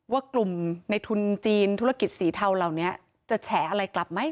ว่ากลุ่มในทุนจีนธุรกิจสีเทาเหล่านี้จะแฉอะไรกลับไหม